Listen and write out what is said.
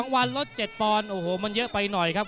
วันลด๗ปอนด์โอ้โหมันเยอะไปหน่อยครับ